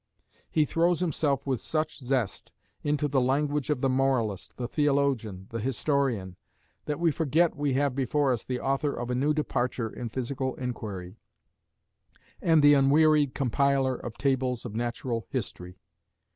He throws himself with such zest into the language of the moralist, the theologian, the historian, that we forget we have before us the author of a new departure in physical inquiry, and the unwearied compiler of tables of natural history.